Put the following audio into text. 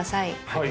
はい。